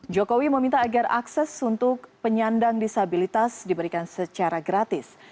jokowi meminta agar akses untuk penyandang disabilitas diberikan secara gratis